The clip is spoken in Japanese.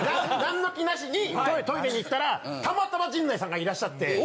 なんのきなしにトイレに行ったらたまたま陣内さんがいらっしゃって。